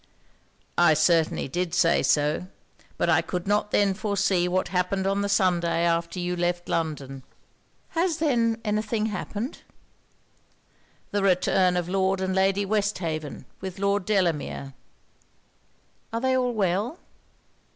'I certainly did say so. But I could not then foresee what happened on the Sunday after you left London.' 'Has, then, any thing happened?' 'The return of Lord and Lady Westhaven, with Lord Delamere.' 'Are they all well?'